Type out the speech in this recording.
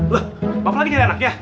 loh bapak lagi nyari anaknya